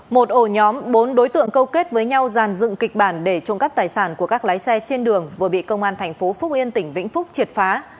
một ổ nhóm bốn đối tượng câu kết với nhau dàn dựng kịch bản để trộm cắp tài sản của các lái xe trên đường vừa bị công an thành phố phúc yên tỉnh vĩnh phúc triệt phá